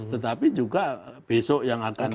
tetapi juga besok yang akan